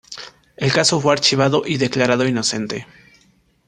El caso fue archivado y declarado inocente.